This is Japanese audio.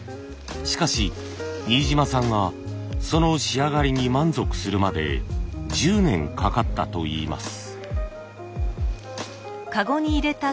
しかし新島さんがその仕上がりに満足するまで１０年かかったといいます。